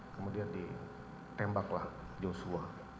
kemudian ditembaklah yosua